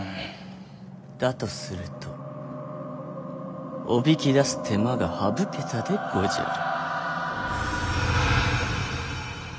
だとするとおびき出す手間が省けたでごじゃる。